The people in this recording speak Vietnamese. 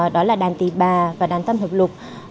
đó là đàn tì bà và đàn tâm hợp lục